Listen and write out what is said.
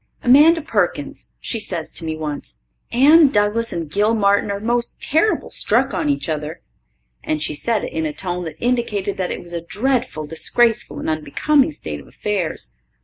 Amanda Perkins, she says to me once, "Anne Douglas and Gil Martin are most terrible struck on each other." And she said it in a tone that indicated that it was a dreadful disgraceful and unbecoming state of affairs.